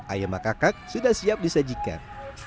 ayam makakakak sudah siap disajikan